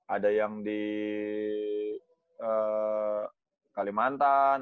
ada yang di kalimantan